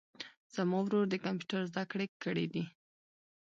زما ورور د کمپیوټر زده کړي کړیدي